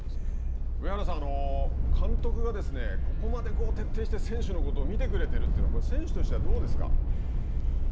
上原さん、監督がここまで徹底して選手のことを見てくれているというのは選手としてはどうですか。